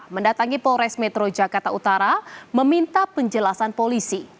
mendatangi polres metro jakarta utara meminta penjelasan polisi